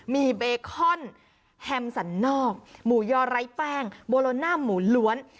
มีเบคอนแฮมสันนอกหมูยอไร้แป้งโบโลน่าหมูล้วน